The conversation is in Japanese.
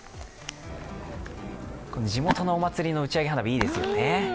この地元のお祭りの打ち上げ花火、いいですよね。